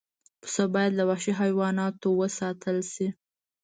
پسه باید له وحشي حیواناتو وساتل شي.